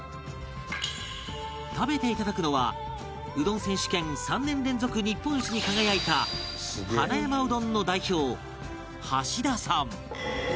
食べていただくのはうどん選手権３年連続日本一に輝いた花山うどんの代表橋田さん